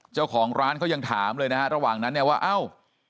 เจ้าของร้านเขายังถามเลยนะฮะระหว่างนั้นเนี่ยว่าเอ้า